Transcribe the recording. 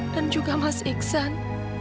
dan juga mas iksan